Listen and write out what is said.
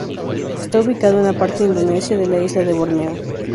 Está ubicada en la parte indonesia de la isla de Borneo.